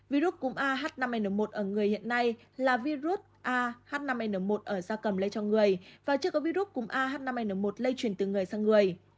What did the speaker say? virus cúm a h năm n một ở người hiện nay là virus a h năm n một ở da cầm lấy cho người và chưa có virus cúm a h năm n một lấy chuyển từ người sang người